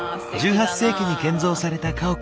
１８世紀に建造された家屋。